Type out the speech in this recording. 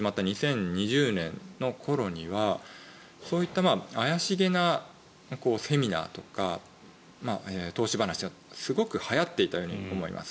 特にこの持続化給付金制度が始まった２０２０年の頃にはそういった怪しげなセミナーとか投資話がすごくはやっていたように思います。